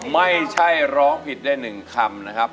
ไม่ใช่ร้องผิดได้๑คำนะครับ